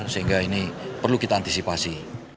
sehingga ini perlu kita antisipasi